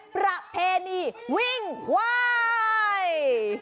ประเพณีวิ่งควาย